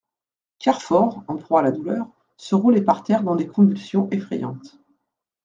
Carfor, en proie à la douleur, se roulait par terre dans des convulsions effrayantes.